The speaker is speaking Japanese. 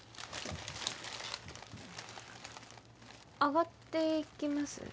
上がって行きます？